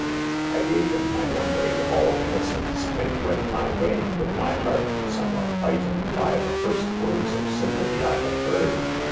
I gave him my number in all innocence, and went my way with my heart somewhat lightened by the first words of sympathy I had heard.